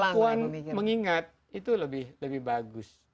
kemampuan mengingat itu lebih bagus